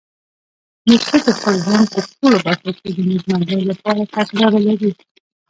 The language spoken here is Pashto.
نیکه د خپل ژوند په ټولو برخو کې د نیکمرغۍ لپاره تګلاره لري.